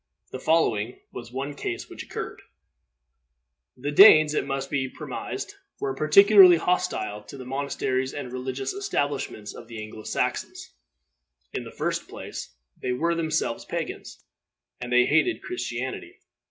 The following was one case which occurred: The Danes, it must be premised, were particularly hostile to the monasteries and religious establishments of the Anglo Saxons. In the first place, they were themselves pagans, and they hated Christianity.